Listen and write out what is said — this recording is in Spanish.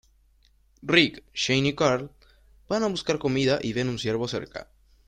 Rick, Shane y Carl van a buscar comida y ven un ciervo cerca.